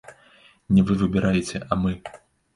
Не вы выбіраеце, а мы.